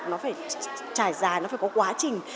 nó phải trải dài nó phải có quá trình